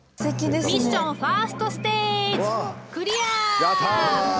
ミッションファーストステージやった！